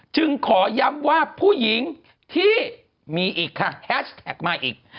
จึงขอย้ำว่าผู้หญิงที่มีอีกค่ะแฮชแท็กมาอีก